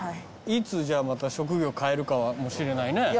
いつじゃあまた職業変えるかもしれないね。